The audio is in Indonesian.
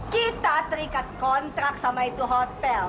kita terikat kontrak sama itu hotel